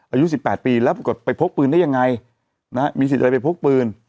อายุ๑๘ปีแล้วปรากฏไปพกปืนได้ยังไงนะฮะมีสิทธิ์อะไรไปพกปืน